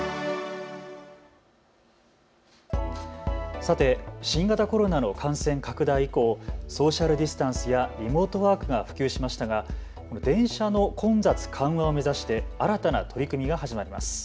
さて新型コロナの感染拡大以降、ソーシャルディスタンスやリモートワークが普及しましたが電車の混雑緩和を目指して新たな取り組みが始まります。